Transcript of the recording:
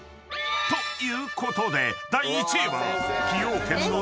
［ということで第１位は］え